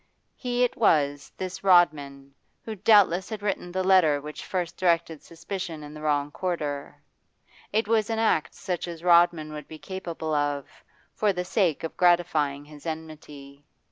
He it was, this Rodman, who doubtless had written the letter which first directed suspicion in the wrong quarter; it was an act such as Rodman would be capable of, for the sake of gratifying his enmity.